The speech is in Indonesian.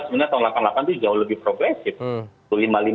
sebenarnya tahun seribu sembilan ratus delapan puluh delapan itu jauh lebih progresif